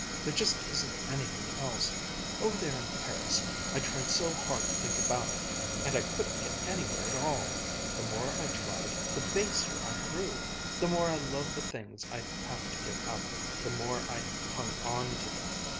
There just isn't anything else. Over there in Paris, I tried so hard to think about it and I couldn't get anywhere at all. The more I tried, the baser I grew; the more I loved the things I'd have to give up, the more I hung on to them.